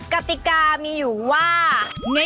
กติกามีอยู่ว่า